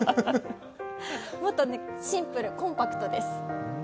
もっとシンプルコンパクトです。